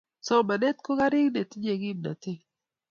somanet ko karik netinyei kimnatet